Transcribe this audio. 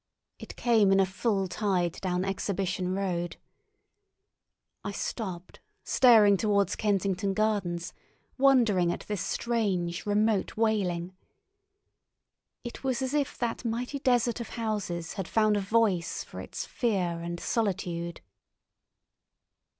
It came in a full tide down Exhibition Road. I stopped, staring towards Kensington Gardens, wondering at this strange, remote wailing. It was as if that mighty desert of houses had found a voice for its fear and solitude.